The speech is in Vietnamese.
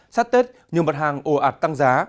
sát tết nhiều mặt hàng ồ ạt tăng giá